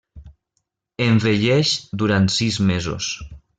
Envelleix durant sis mesos.